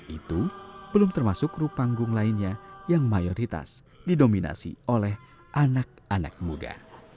itu belum termasuk kru panggung lainnya yang mayoritas didominasi oleh anak anak muda